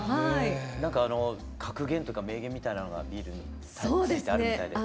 何か格言とか名言みたいなのがビールについてあるみたいで。